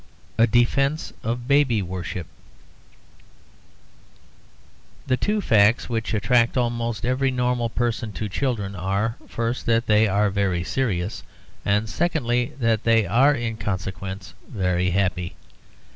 A DEFENCE OF BABY WORSHIP The two facts which attract almost every normal person to children are, first, that they are very serious, and, secondly, that they are in consequence very happy.